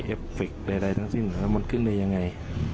ฟิกใดทั้งสิ้นแล้วมันขึ้นได้ยังไง